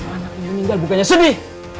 anaknya yang tinggal bukannya sedih